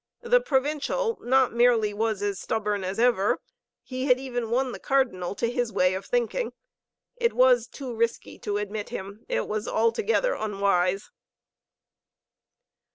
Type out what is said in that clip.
The Provincial not merely was as stubborn as ever, he had even won the Cardinal to his way of thinking. It was too risky to admit him, it was altogether unwise.